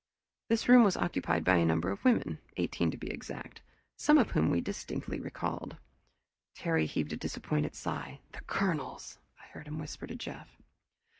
This room was occupied by a number of women, eighteen to be exact, some of whom we distinctly recalled. Terry heaved a disappointed sigh. "The Colonels!" I heard him whisper to Jeff.